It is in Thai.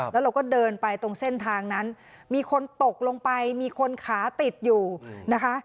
แล้วเราก็เดินไปตรงเส้นทางนั้นมีคนตกลงไปมีคนขาติดอยู่นะคะ